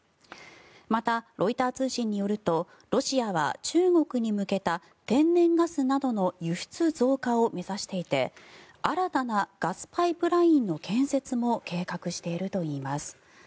また、ロイター通信によるとロシアは中国に向けた天然ガスなどの輸出増加を目指していて新たなガスパイプラインの建設も計画しているといいます。